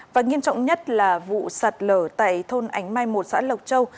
và nghiêm trọng nhất là vụ sạt lở tại thôn ánh mai một xã lộc châu